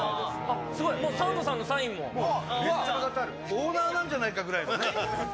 オーナーなんじゃないかぐらいの。